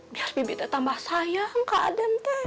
biar bibi tetap mbah sayang ke aden teh